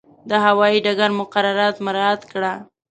د هوایي ډګر مقررات مراعات کړه.